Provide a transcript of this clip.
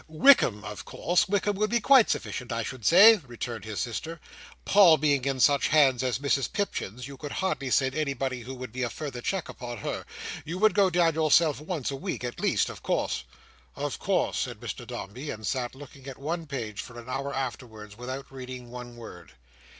"Wickam, of course. Wickam would be quite sufficient, I should say," returned his sister. "Paul being in such hands as Mrs Pipchin's, you could hardly send anybody who would be a further check upon her. You would go down yourself once a week at least, of course." "Of course," said Mr Dombey; and sat looking at one page for an hour afterwards, without reading one word.